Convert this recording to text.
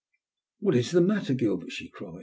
"What is the matter, Gilbert? " she cried.